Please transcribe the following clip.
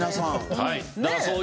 はい。